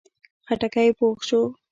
خټکی پوخ شو.